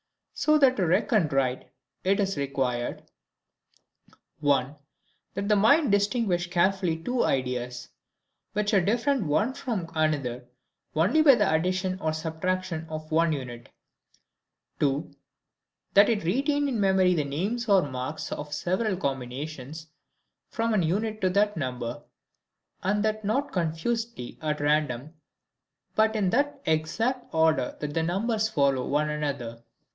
So that to reckon right, it is required, (1) That the mind distinguish carefully two ideas, which are different one from another only by the addition or subtraction of ONE unit: (2) That it retain in memory the names or marks of the several combinations, from an unit to that number; and that not confusedly, and at random, but in that exact order that the numbers follow one another.